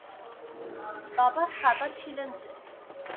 বাবা সাদা ছিলেন যে।